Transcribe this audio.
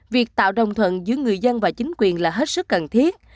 việc tạo đồng thuận giữa người dân và chính quyền là hết sức cần thiết